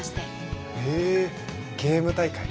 へえゲーム大会？